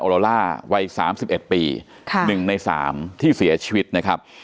ออโลล่าวัยสามสิบเอ็ดปีค่ะหนึ่งในสามที่เสียชีวิตนะครับ